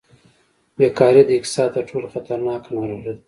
بېکاري د اقتصاد تر ټولو خطرناکه ناروغي ده.